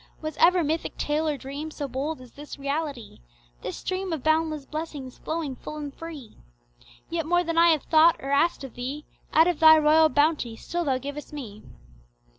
Was ever mythic tale or dream so bold as this reality, This stream of boundless blessings flowing full and free? Yet more than I have thought or asked of Thee Out of Thy royal bounty still Thou givest me.